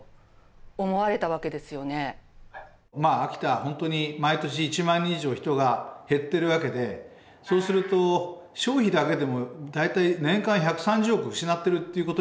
本当に毎年１万人以上人が減っているわけでそうすると消費だけでも大体年間１３０億を失っているということになるんですね。